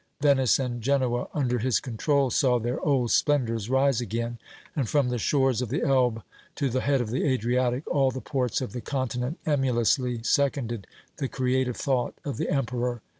Venice and Genoa, under his control, saw their old splendors rise again, and from the shores of the Elbe to the head of the Adriatic all the ports of the continent emulously seconded the creative thought of the emperor.